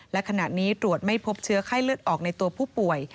และขณะนี้ตรวจไม่พบเชื้อไข้เลือดออกในตัวผู้ป่วย